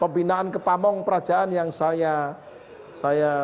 pembinaan kepamung perajaan yang saya